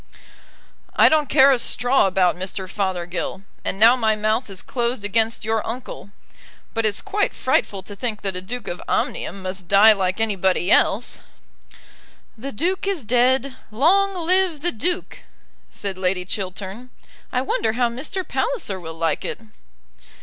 "I don't care a straw about Mr. Fothergill; and now my mouth is closed against your uncle. But it's quite frightful to think that a Duke of Omnium must die like anybody else." "The Duke is dead; long live the Duke," said Lady Chiltern. "I wonder how Mr. Palliser will like it."